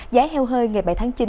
giá heo hơi ngày bảy tháng chín